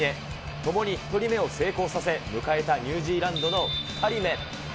ともに１人目を成功させ、迎えたニュージーランドの２人目。